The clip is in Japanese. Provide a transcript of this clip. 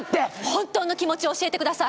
本当の気持ちを教えてください。